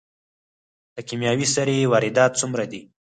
د کیمیاوي سرې واردات څومره دي؟